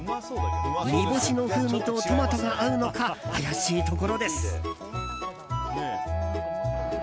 煮干しの風味とトマトが合うのか怪しいところです。